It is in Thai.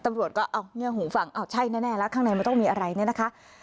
ตำรวจก็เอาเงื่อหูฟังอ้าวใช่แน่แล้วข้างในมันต้องมีอะไรเนี่ยนะคะ